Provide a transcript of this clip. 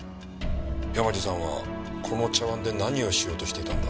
山路さんはこの茶碗で何をしようとしていたんだ？